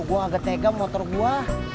gua agak tega motor gua